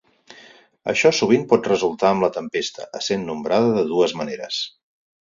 Això sovint pot resultar amb la tempesta essent nombrada de dues maneres.